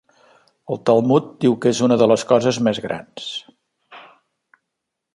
El Talmud diu que és una de les coses més grans.